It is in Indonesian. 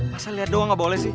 masa lihat doang gak boleh sih